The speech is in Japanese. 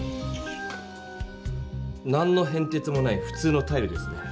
何のへんてつもないふ通のタイルですね。